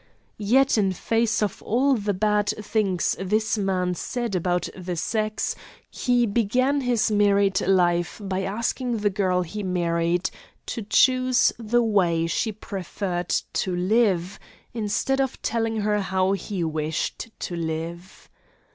Yet in face of all the bad things this man had said about the sex, he began his married life by asking the girl he married to choose the way she preferred to live, instead of telling her how he wished to live.